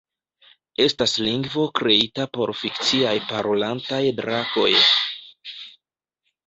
Estas lingvo kreita por fikciaj parolantaj drakoj.